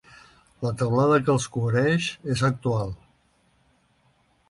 La teulada que els cobreix és actual.